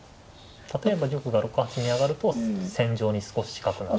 例えば玉が６八に上がると戦場に少し近くなる。